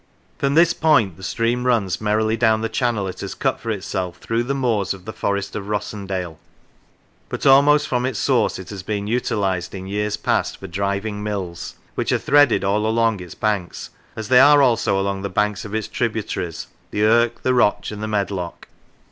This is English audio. From this point the stream runs merrily down the channel it has cut for itself through the moors of the Forest of Rossendale, but almost from its source it has been utilised in years past for driving mills, which are threaded all along its banks, as they are also along the banks of its tributaries, the Irk, the Roch, and the Medlock.